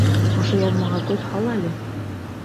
Ошо яҙмаға күҙ һал әле.